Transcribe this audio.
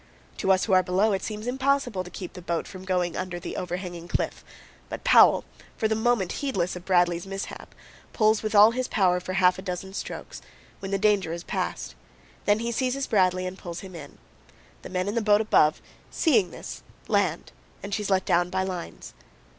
To us who are below, it seems impossible to keep the boat from going under the overhanging cliff; but Powell, for the moment heedless of Bradley's mishap, pulls with all his power for half a dozen strokes, when the danger is past; then he seizes Bradley and pulls him in. The men in the boat above, seeing this, land, and she is let down by lines.